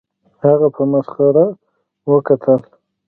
هغه په مسخره وکتل